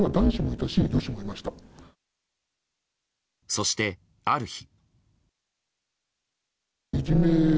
そして、ある日。